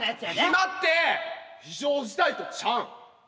今って非常事態とちゃうん。